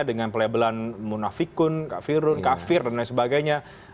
dengan pelabelan munafikun kafirun kafir dan lain sebagainya